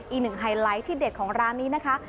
อีกหนึ่งไฮไลท์ที่เด็ดของร้านนี้นะคะ